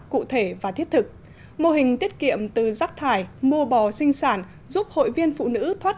cụ thể và thiết thực mô hình tiết kiệm từ rác thải mua bò sinh sản giúp hội viên phụ nữ thoát